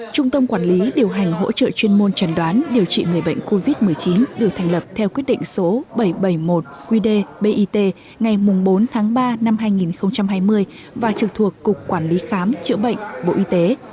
trung tâm quản lý điều hành hỗ trợ chuyên môn trần đoán điều trị người bệnh covid một mươi chín được thành lập theo quyết định số bảy trăm bảy mươi một qd bit ngày bốn tháng ba năm hai nghìn hai mươi và trực thuộc cục quản lý khám chữa bệnh bộ y tế